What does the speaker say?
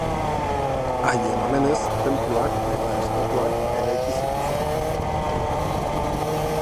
Haien omenez tenpluak eta estatuak eraiki zituzten.